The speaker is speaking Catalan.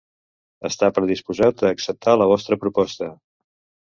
Està predisposat a acceptar la vostra proposta.